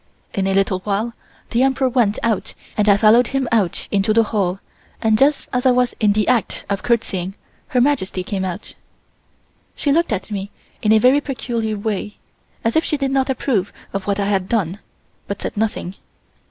In a little while the Emperor went out and I followed him out into the hall and just as I was in the act of courtesying Her Majesty came out. She looked at me in a very peculiar way, as if she did not approve of what I had done, but said nothing.